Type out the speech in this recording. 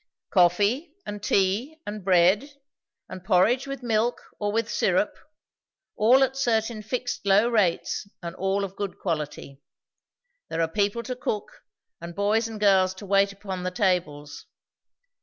"Coffee and tea and bread, and porridge with milk or with syrup all at certain fixed low rates and all of good quality. There are people to cook, and boys and girls to wait upon the tables.